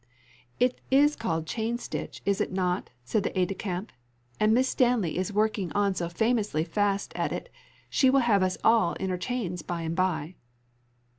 "It is called chainstitch, is it not?" said the aide de camp; "and Miss Stanley is working on so famously fast at it she will have us all in her chains by and by."